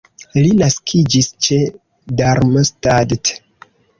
Li naskiĝis ĉe Darmstadt.